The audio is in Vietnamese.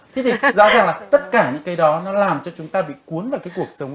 thế thì khác rõ ràng là tất cả những cái đó nó làm cho chúng ta bị cuốn vào cái cuộc sống